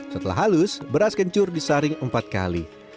setelah halus beras kencur disaring empat kali